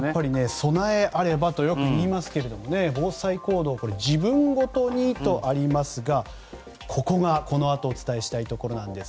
備えあればとよく言いますが防災行動自分ごとにとありますがここがこのあとお伝えしたいところです。